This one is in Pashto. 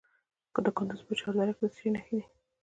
د کندز په چهار دره کې د څه شي نښې دي؟